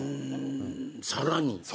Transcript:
さらに。